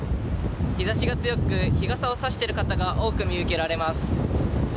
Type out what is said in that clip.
日差しが強く日傘を差している方が多く見受けられます。